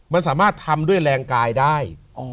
มันสามารถทำด้วยแรงกายได้